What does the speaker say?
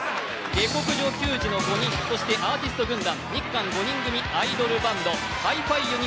「下剋上球児」の５人、アーティスト軍団、日韓５人組アイドルバンド、Ｈｉ−ＦｉＵｎ！